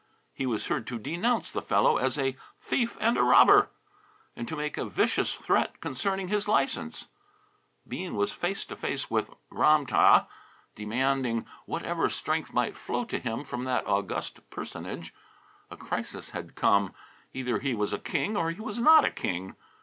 He was heard to denounce the fellow as "a thief and a robber!" and to make a vicious threat concerning his license. Bean was face to face with Ram tah, demanding whatever strength might flow to him from that august personage. A crisis had come. Either he was a king, or he was not a king.